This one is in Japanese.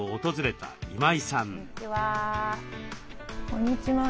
こんにちは。